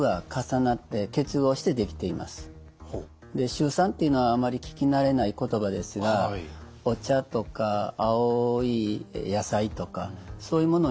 シュウ酸っていうのはあまり聞き慣れない言葉ですがお茶とか青い野菜とかそういうものに含まれているものです。